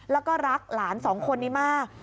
แล้วก็รักหลานสองคนนี้มาก